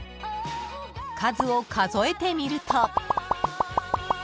［数を数えてみると］